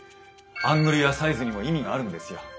アングルやサイズにも意味があるんですよ。